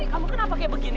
kamu kenapa kayak begini